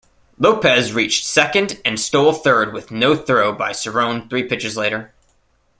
Lopes reached second and stole third with no throw by Cerone three pitches later.